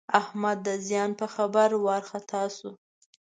احمد د زیان په خبر وارخطا شو.